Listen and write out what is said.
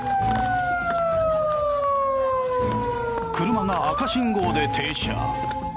車が赤信号で停車。